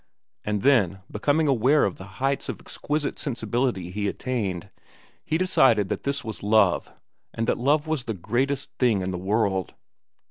And then, becoming aware of the heights of exquisite sensibility he attained, he decided that this was love and that love was the greatest thing in the world.